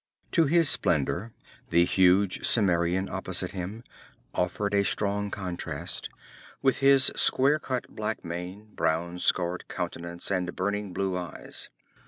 To his splendor the huge Cimmerian opposite him offered a strong contrast, with his square cut black mane, brown scarred countenance and burning blue eyes.